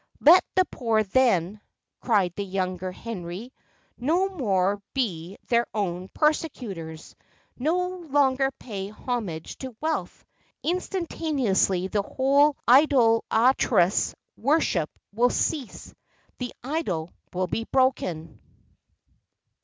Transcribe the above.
"Let the poor, then," cried the younger Henry, "no more be their own persecutors no longer pay homage to wealth instantaneously the whole idolatrous worship will cease the idol will be broken!"